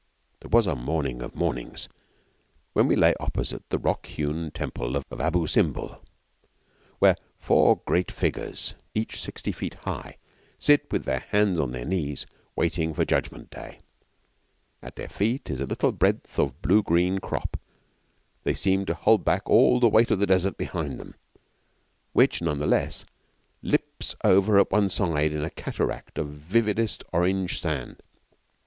There was a morning of mornings when we lay opposite the rock hewn Temple of Abu Simbel, where four great figures, each sixty feet high, sit with their hands on their knees waiting for Judgment Day. At their feet is a little breadth of blue green crop; they seem to hold back all the weight of the Desert behind them, which, none the less, lips over at one side in a cataract of vividest orange sand.